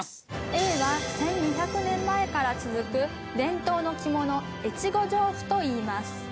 Ａは１２００年前から続く伝統の着物越後上布といいます。